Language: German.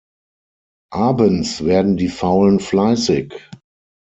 Abends werden die Faulen fleissig.